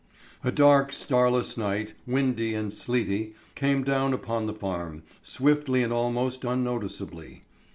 A dark, starless night, windy and sleety, came down upon the farm, swiftly and almost unnoticeably.